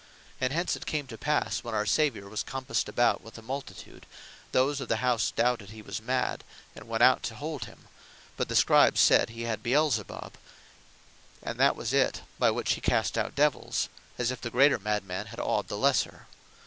And hence it came to passe, when our Saviour (Mark 3.21.) was compassed about with the multitude, those of the house doubted he was mad, and went out to hold him: but the Scribes said he had Belzebub, and that was it, by which he cast out divels; as if the greater mad man had awed the lesser.